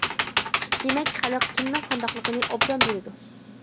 دېمەك خەلق كىمنىڭ قانداقلىقىنى ئوبدان بىلىدۇ.